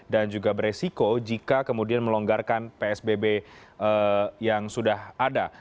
dan juga beresiko jika kemudian melonggarkan psbb yang sudah ada